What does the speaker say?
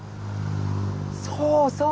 そうそう！